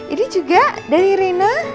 ini juga dari rena